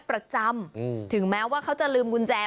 ประจำถึงแม้ว่าเขาจะลืมกุญแจ